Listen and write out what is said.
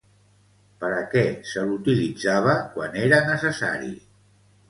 Per a què se l'utilitzava quan era necessari?